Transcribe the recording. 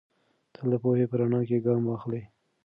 تل د پوهې په رڼا کې ګام واخلئ.